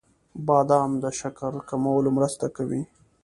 • بادام د شکر کمولو کې مرسته کوي.